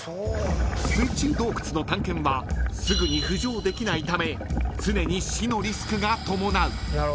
［水中洞窟の探検はすぐに浮上できないため常に死のリスクが伴う］